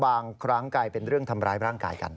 บางครั้งกลายเป็นเรื่องทำร้ายร่างกายกัน